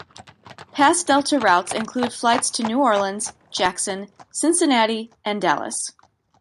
Past Delta routes include flights to New Orleans, Jackson, Cincinnati and Dallas.